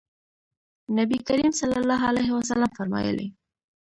نبي کریم صلی الله علیه وسلم فرمایلي: